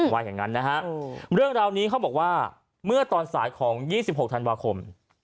ว่าอย่างนั้นนะฮะเรื่องราวนี้เขาบอกว่าเมื่อตอนสายของ๒๖ธันวาคม